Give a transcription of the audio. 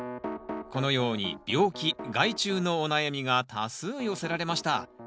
このように病気害虫のお悩みが多数寄せられました。